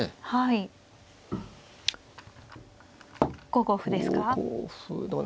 ５五歩ですか。